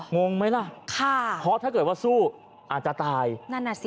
งงไหมล่ะค่ะเพราะถ้าเกิดว่าสู้อาจจะตายนั่นน่ะสิ